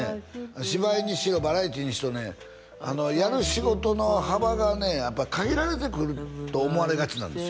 芝居にしろバラエティーにしろねやる仕事の幅がねやっぱり限られてくると思われがちなんですよ